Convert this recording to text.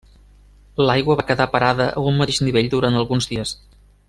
L'aigua va quedar parada a un mateix nivell durant alguns dies.